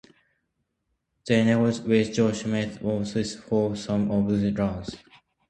They negotiated with John Maitland of Thirlestane who had held some of the lands.